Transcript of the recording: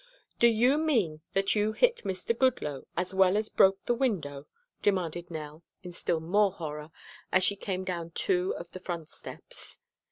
"Do you mean that you hit Mr. Goodloe, as well as broke the window?" demanded Nell in still more horror, as she came down two of the front steps.